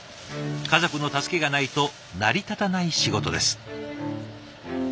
家族の助けがないと成り立たない仕事です。